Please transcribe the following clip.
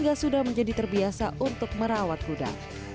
atau kuda yang memiliki kuda